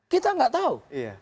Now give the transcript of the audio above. kita nggak tahu